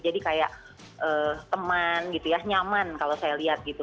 jadi kayak teman gitu ya nyaman kalau saya lihat gitu